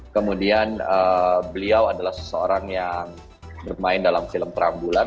kemudian beliau adalah seseorang yang bermain dalam film perambulan